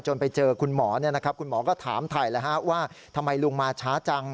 จนไปเจอคุณหมอเนี่ยนะครับคุณหมอก็ถามถ่ายแล้วว่าทำไมลุงมาช้าจัง